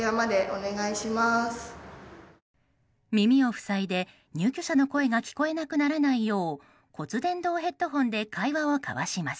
耳を塞いで入居者の声が聞こえなくならないよう骨伝導ヘッドホンで会話を交わします。